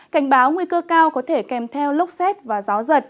cảnh báo nguy cơ cao có thể kèm theo lốc xét và gió giật